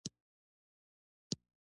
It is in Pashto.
د ایمان لپاره علم اړین دی